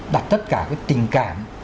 đặt tất cả cái tình cảm